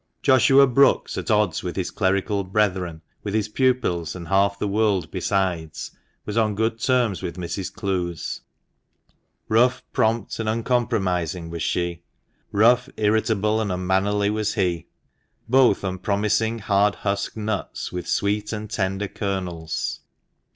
Joshua Brookes,' at odds with his clerical brethren, with his pupils, and half the world besides, was on good terms with Mrs. Clowes. Rough, prompt, and uncompromising was she ; rough; irritable and unmannerly was he ; both unpromising hard husked nuts, with sweet and tender kernels.